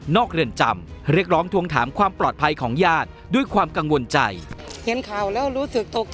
นอกเรียนจำเรียกร้องถงถามความปลอดภัยของยาดด้วยความกังวลใจหลิงการแสง